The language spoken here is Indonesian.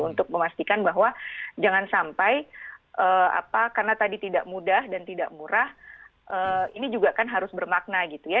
untuk memastikan bahwa jangan sampai karena tadi tidak mudah dan tidak murah ini juga kan harus bermakna gitu ya